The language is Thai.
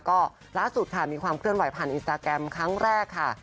ก็ล่าสุดค่ะมีความเคลื่อนไหวผ่านอินสตาแกรมครั้งแรกค่ะ